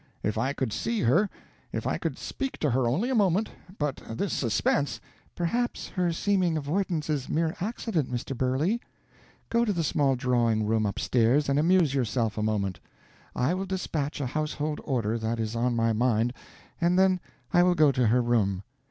If I could see her, if I could speak to her only a moment but this suspense " "Perhaps her seeming avoidance is mere accident, Mr. Burley. Go to the small drawing room up stairs and amuse yourself a moment. I will despatch a household order that is on my mind, and then I will go to her room.